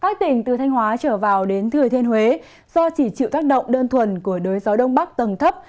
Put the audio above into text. các tỉnh từ thanh hóa trở vào đến thừa thiên huế do chỉ chịu tác động đơn thuần của đới gió đông bắc tầng thấp